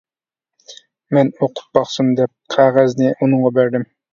مەن ئوقۇپ باقسۇن دەپ، قەغەزنى ئۇنىڭغا بەردىم.